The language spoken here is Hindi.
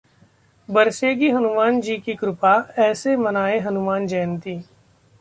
बरसेगी हनुमान जी की कृपा, ऐसे मनाएं हनुमान जयंती